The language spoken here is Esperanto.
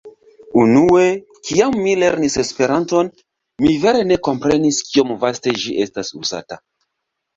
Unue, kiam mi lernis Esperanton, mi ne vere komprenis kiom vaste ĝi estas uzata.